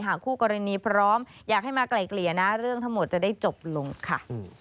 คู่กรณีพร้อมอยากให้มาไกลเกลี่ยนะเรื่องทั้งหมดจะได้จบลงค่ะ